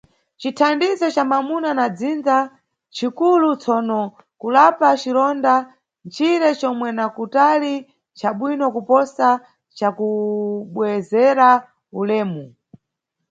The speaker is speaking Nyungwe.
Cithandizo ca mamuna na dzindza nchi kulu, tsono kulapa cironda nchire comwe na kutali ncha bwino kuposa ca kubwezera ulemu.